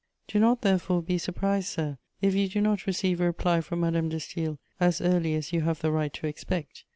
Do not, therefore, be surprised, sir, if you do not receive a reply from Madame de Staël as early as you have the right to expect.